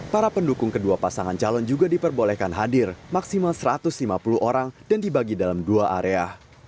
para pendukung kedua pasangan calon juga diperbolehkan hadir maksimal satu ratus lima puluh orang dan dibagi dalam dua area